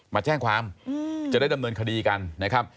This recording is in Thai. มาแจ้งความจะได้ดำเนินคดีกันนะครับ